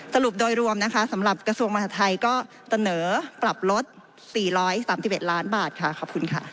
สรุปโดยรวมนะคะสำหรับกระทรวงมหาทัยก็เสนอปรับลด๔๓๑ล้านบาทค่ะขอบคุณค่ะ